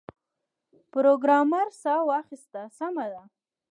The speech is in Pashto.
پروګرامر ساه واخیسته سمه ده